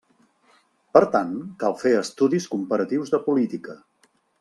Per tant, cal fer estudis comparatius de política.